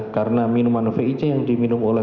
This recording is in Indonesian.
karena minuman vic yang diminum oleh